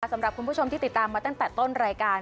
สำหรับคุณผู้ชมที่ติดตามมาตั้งแต่ต้นรายการ